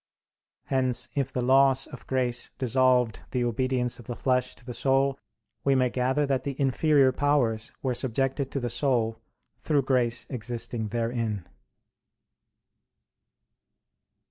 Hence if the loss of grace dissolved the obedience of the flesh to the soul, we may gather that the inferior powers were subjected to the soul through grace existing therein.